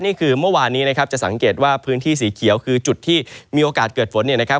นี่คือเมื่อวานนี้นะครับจะสังเกตว่าพื้นที่สีเขียวคือจุดที่มีโอกาสเกิดฝนเนี่ยนะครับ